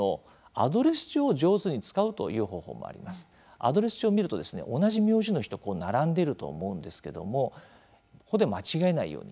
アドレス帳を見ると同じ名字の人、並んでいると思うんですけれどもここで間違えないように。